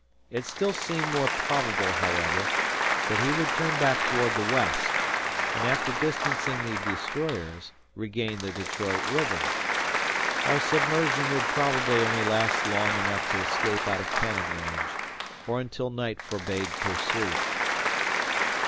It still seemed more probable, however, that he would turn back toward the west, and after distancing the destroyers, regain the Detroit River. Our submersion would probably only last long enough to escape out of cannon range, or until night forbade pursuit.